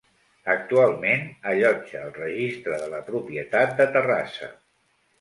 Actualment allotja el Registre de la Propietat de Terrassa.